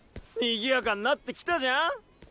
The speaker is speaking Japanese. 賑やかになってきたじゃん。